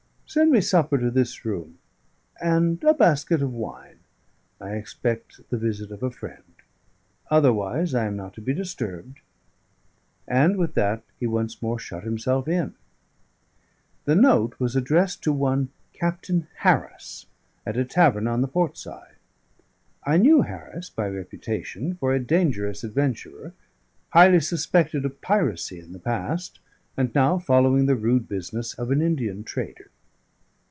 Send me supper to this room, and a basket of wine: I expect the visit of a friend. Otherwise I am not to be disturbed." And with that he once more shut himself in. The note was addressed to one Captain Harris, at a tavern on the port side. I knew Harris (by reputation) for a dangerous adventurer, highly suspected of piracy in the past, and now following the rude business of an Indian trader.